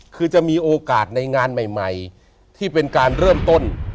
คือจะมีโอกาสในงานใหม่ที่เป็นการเริ่มต้น